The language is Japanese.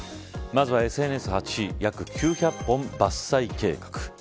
まずはＳＮＳ８位約９００本、伐採計画。